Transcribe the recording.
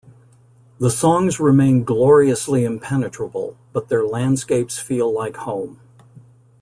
The songs remain gloriously impenetrable, but their landscapes feel like home.